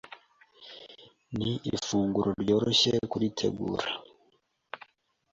Ni ifunguro ryoroshye kuritegura,